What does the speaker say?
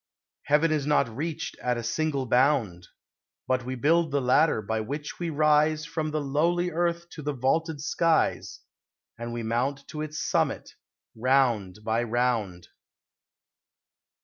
Heaven is not reached at a single bound; But we build the ladder by which we rise From the lowly earth to the vaulted skies, And we mount to its summit, round by round.